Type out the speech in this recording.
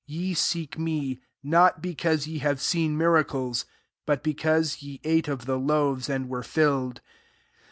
Ye seek me, not because ye have seen miracles, hiit because ye ate of the loaves suid were filled.